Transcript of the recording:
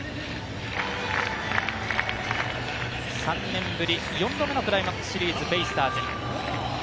３年ぶり、４度目のクライマックスシリーズ、ベイスターズ。